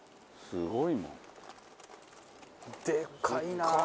すごいな。